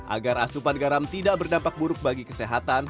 agar asupan garam tidak berdampak buruk bagi kesehatan